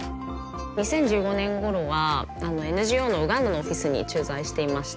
２０１５年ごろはＮＧＯのウガンダのオフィスに駐在していました